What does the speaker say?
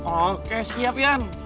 oke siap yan